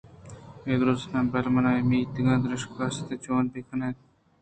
اے دُرٛستاں بِل منی اے میتگ ءَ دشتارے است آئی ءَ چوں بہ کناں؟ فریڈا